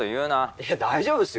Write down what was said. いや大丈夫っすよ。